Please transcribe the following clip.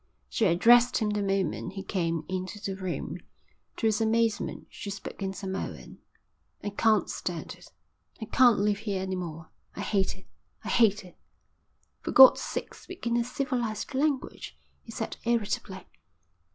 She addressed him the moment he came into the room. To his amazement she spoke in Samoan. "I can't stand it. I can't live here any more. I hate it. I hate it." "For God's sake speak in a civilised language," he said irritably.